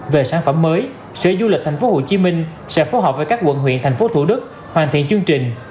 về sản phẩm mới sở du lịch tp hcm sẽ phối hợp với các quận huyện thành phố thủ đức hoàn thiện chương trình